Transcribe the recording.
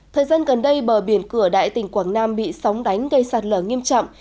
thời gian gần đây bờ biển cửa đại tỉnh quảng nam bị sóng đánh gây sạt lở nghiêm trọng